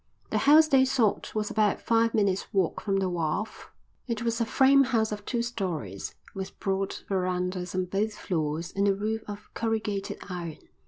The house they sought was about five minutes' walk from the wharf. It was a frame house of two storeys, with broad verandahs on both floors and a roof of corrugated iron.